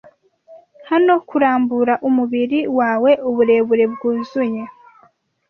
Hano kurambura umubiri wawe uburebure bwuzuye